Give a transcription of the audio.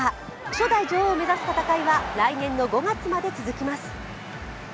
初代女王を目指す戦いは来年の５月まで続きます。